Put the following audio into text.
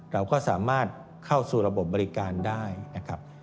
เราก็สามารถเข้าสู่ระบบบริการได้นะครับ